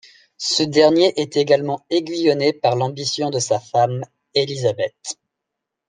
Ce dernier est également aiguillonné par l’ambition de sa femme, Élisabeth.